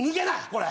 これ。